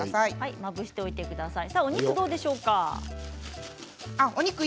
任せておいてください。